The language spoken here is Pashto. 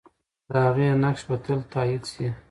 د هغې نقش به تل تایید سي.